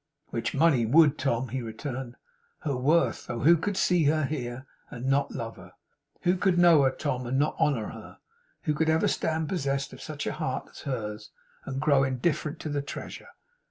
'Which money would, Tom,' he returned. 'Her worth! Oh, who could see her here, and not love her! Who could know her, Tom, and not honour her! Who could ever stand possessed of such a heart as hers, and grow indifferent to the treasure!